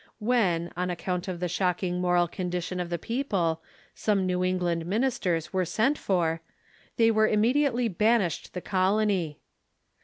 When, on ac count of the shocking moral condition of the people, some New England ministers were sent for, they were immediately ban ished the colony.